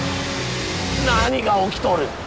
何が起きとる！？